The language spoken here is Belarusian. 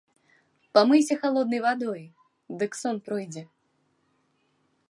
Памыйся халоднай вадой, дык сон пройдзе.